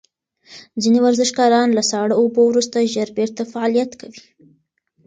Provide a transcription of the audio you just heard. ځینې ورزشکاران له ساړه اوبو وروسته ژر بیرته فعالیت کوي.